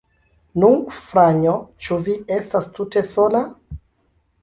Nu, Fanjo, ĉu vi estas tute sola?